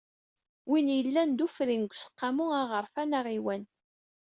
Win i yellan d ufrin deg Useqqamu aɣerfan aɣiwan.